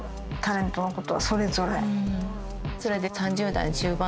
それで。